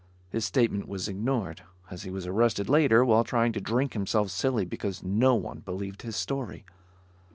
His statement was ignored, as he was arrested later while trying to drink himself silly because no one believed his story.